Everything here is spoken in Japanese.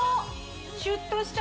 シュッとした！